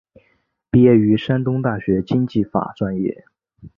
毕业于山东大学经济法专业。